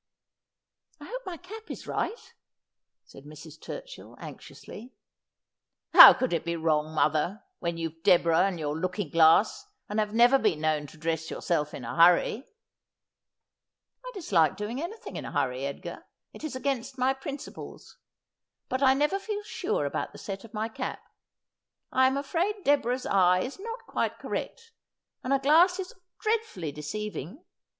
' I hope my cap is right,' said Mrs. Turchill anxiously. ' How could it be wrong, mother, when you've Deborah and your looking glass, and have never been known to dress yourself in a hurry ?'' I dislike doing anything in a hurry, Edgar. It is against my principles. But I never feel sure about the set of my cap. I am afraid Deborah's eye is not quite correct, and a glass is dreadfully deceiving.